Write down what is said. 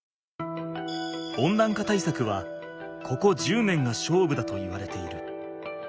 温暖化対策はここ１０年が勝負だといわれている。